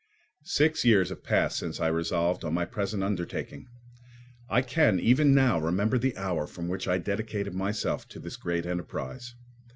Six years have passed since I resolved on my present undertaking. I can, even now, remember the hour from which I dedicated myself to this great enterprise.